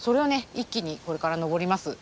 一気にこれから登ります。